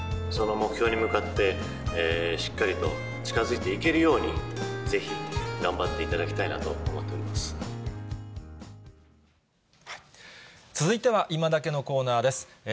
その目標に向かって、しっかりと近づいていけるようにぜひ頑張っていただきたいなと思続いては、いまダケッのコーナーです。